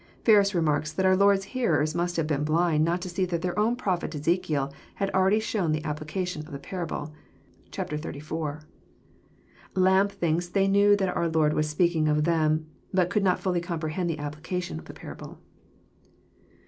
Ferns remarks that our Lord's hearers must have been blind I not to see that their own prophet Ezekiel had already shown the 1 application of the parable. (Chap, xxxiv.) Lampe thinks they knew that our Lord was speaking of them, but could not fblly comprehend the application of the parable.